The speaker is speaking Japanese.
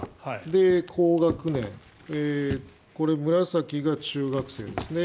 で、高学年紫が中学生ですね。